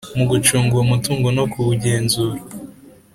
mu gucunga uwo mutungo no kuwugenzura